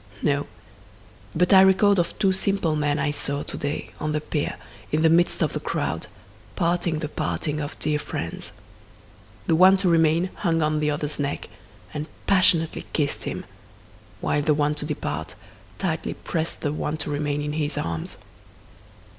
—No; But I record of two simple men I saw to day, on the pier, in the midst of the crowd, parting the parting of dear friends; The one to remain hung on the other's neck, and passionately kiss'd him, While the one to depart, tightly prest the one to remain in his arms.